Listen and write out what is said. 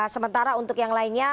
sementara untuk yang lainnya